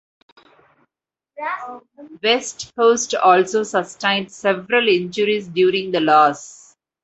West Coast also sustained several injuries during the loss.